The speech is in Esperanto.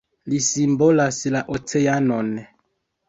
Li simbolas la oceanon.